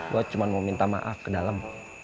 gue cuma mau minta maaf ke dalam